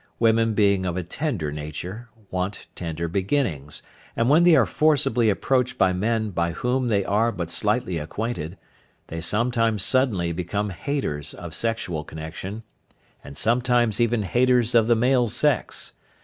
Women being of a tender nature, want tender beginnings, and when they are forcibly approached by men with whom they are but slightly acquainted, they sometimes suddenly become haters of sexual connection, and sometimes even haters of the male sex.